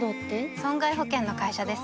損害保険の会社です